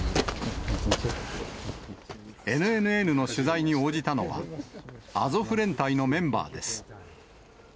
ＮＮＮの取材に応じたのは、アゾフ連隊のメンバーです。